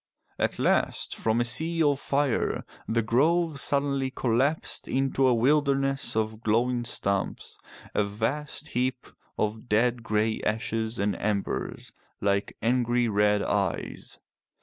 At last, from a sea of fire, the grove suddenly collapsed into a wilderness of glowing stumps, a vast heap of dead grey ashes and embers like angry red eyes.